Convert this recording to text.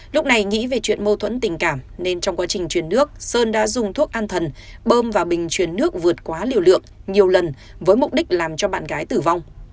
lúc này nghĩ về chuyện mâu thuẫn tình cảm nên trong quá trình chuyển nước sơn đã dùng thuốc an thần bơm vào bình chuyển nước vượt quá liều lượng nhiều lần với mục đích làm cho bạn gái tử vong